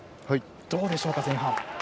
どうでしょうか、前半。